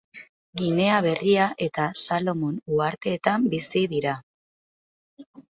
Ginea Berria eta Salomon Uhartetan bizi dira.